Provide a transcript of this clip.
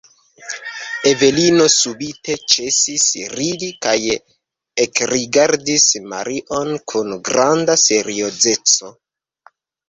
Evelino subite ĉesis ridi kaj ekrigardis Marion kun granda seriozeco.